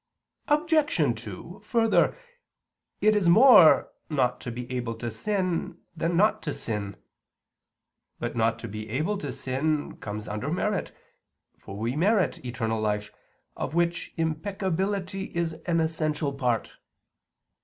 Obj. 2: Further, it is more not to be able to sin than not to sin. But not to be able to sin comes under merit, for we merit eternal life, of which impeccability is an essential part.